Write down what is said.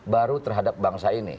baru terhadap bangsa ini